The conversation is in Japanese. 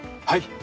はい。